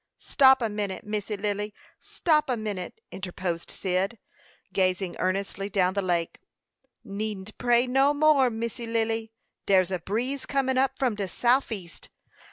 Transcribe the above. "Stop a minute, Missy Lily; stop a minute," interposed Cyd, gazing earnestly down the lake; "needn't pray no more, Missy Lily; dare's a breeze coming up from de souf east.